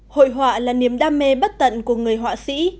hội họa là niềm đam mê bất tận của người họa sĩ